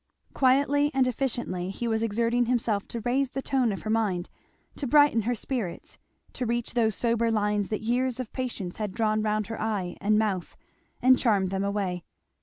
Quietly and efficiently he was exerting himself to raise the tone of her mind, to brighten her spirits, to reach those sober lines that years of patience had drawn round her eye and mouth, and charm them away.